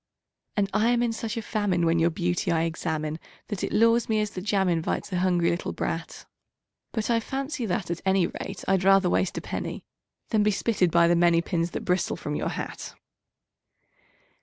And I am in such a famine when your beauty I examine That it lures me as the jam invites a hungry little brat; But I fancy that, at any rate, I'd rather waste a penny Than be spitted by the many pins that bristle from your hat.